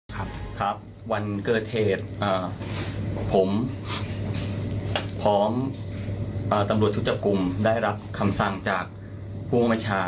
ครับครับวันเกิดเหตุผมพร้อมตำรวจชุดจับกลุ่มได้รับคำสั่งจากผู้บังคับบัญชา